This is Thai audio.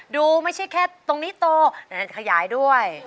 ดูไม่ใช่แค่ตรงนี้โตน่าจะขยายด้วย